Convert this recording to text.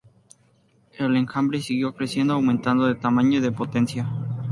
El enjambre siguió creciendo, aumentando de tamaño y de potencia.